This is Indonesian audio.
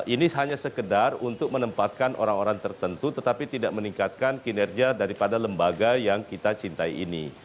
ini hanya sekedar untuk menempatkan orang orang tertentu tetapi tidak meningkatkan kinerja daripada lembaga yang kita cintai ini